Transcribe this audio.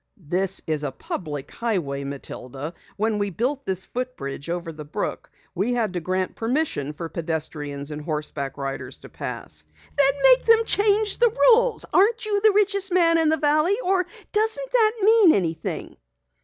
"This is a public highway, Matilda. When we built this footbridge over the brook we had to grant permission for pedestrians and horseback riders to pass." "Then make them change the ruling! Aren't you the richest man in the Valley? Or doesn't that mean anything?"